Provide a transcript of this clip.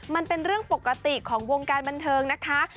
มันเป็นเรื่องปกติของวงการบันเทิงนะคะ